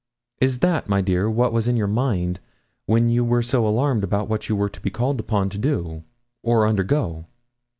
Is that, my dear, what was in your mind when you were so alarmed about what you were to be called upon to do, or undergo?'